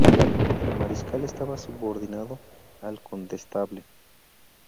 El mariscal estaba subordinado al condestable.